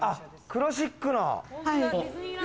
クラシックな。